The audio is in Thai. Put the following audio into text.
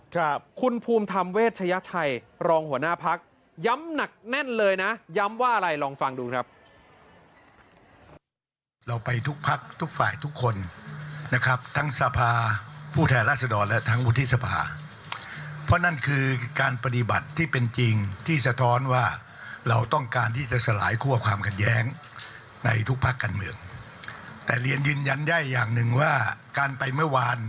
ครับคุณภูมิธรรมเวชยชัยรองหัวหน้าพักย้ำหนักแน่นเลยนะย้ำว่าอะไรลองฟังดูครับ